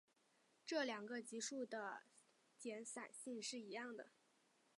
这两个级数的敛散性是一样的。